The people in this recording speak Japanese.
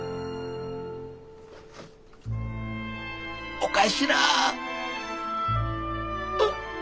お頭！